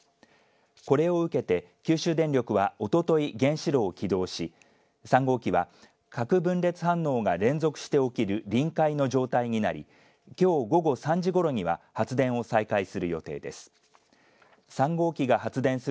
これを受けて九州電力はおととい原子炉を起動し３号機は核分裂反応が連続して起きる臨界の状態になりきょう午後３時ごろには発電を再開する予定です。